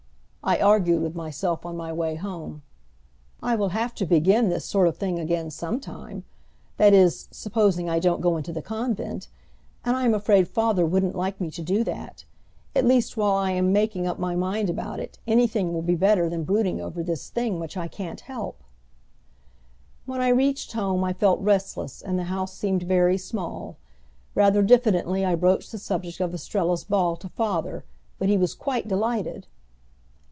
I argued with myself on my way home. "I will have to begin this sort of thing again sometime that is, supposing I don't go into the convent, and I am afraid father wouldn't like me to do that. At least while I am making up my mind about it anything will be better than brooding over this thing, which I can't help." When I reached home I felt restless and the house seemed very small. Rather diffidently I broached the subject of Estrella's ball to father; but he was quite delighted.